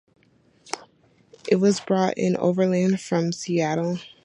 It was brought in overland from Seattle.